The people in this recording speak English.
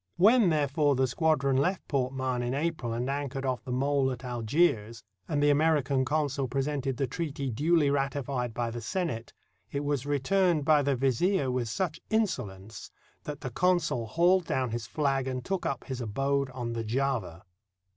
When, therefore, the squadron left Port Mahon in April and anchored off the mole at Algiers, and the American consul presented the treaty duly ratified by the Senate, it was returned by the Vizier with such inso lence that the consul hauled down his flag and took up his abode on the Java.